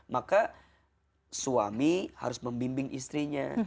maka suami harus membimbing istrinya